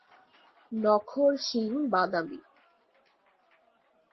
নখর শিঙ-বাদামি।